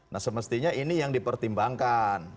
nah semestinya ini yang dipertimbangkan